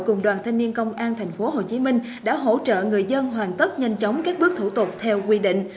cùng đoàn thanh niên công an tp hcm đã hỗ trợ người dân hoàn tất nhanh chóng các bước thủ tục theo quy định